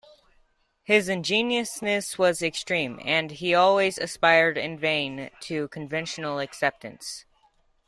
His ingenuousness was extreme, and he always aspired, in vain, to conventional acceptance.